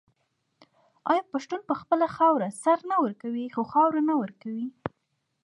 آیا پښتون په خپله خاوره سر نه ورکوي خو خاوره نه ورکوي؟